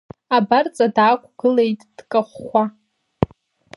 Абарҵа даақәгылеит дкахәхәа.